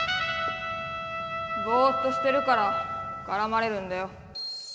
ぼっとしてるからからまれるんだよ。